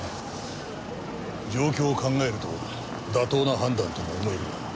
状況を考えると妥当な判断とも思えるが。